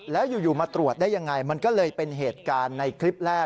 แล้วอยู่มาตรวจได้ยังไงมันก็เลยเป็นเหตุการณ์ในคลิปแรก